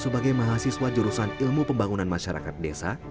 sebagai mahasiswa jurusan ilmu pembangunan masyarakat desa